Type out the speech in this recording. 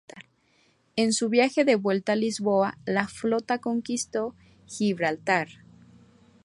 En su viaje de vuelta a Lisboa la flota conquistó Gibraltar.